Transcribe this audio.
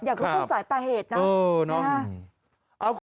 อยากรู้ต้นสายปลายเหตุนะ